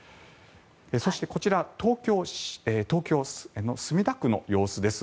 そして、こちら東京の墨田区の様子です。